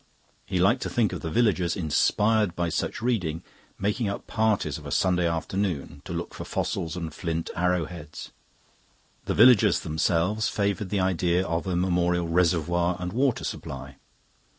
He liked to think of the villagers, inspired by such reading, making up parties of a Sunday afternoon to look for fossils and flint arrow heads. The villagers themselves favoured the idea of a memorial reservoir and water supply.